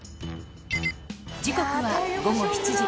時刻は午後７時。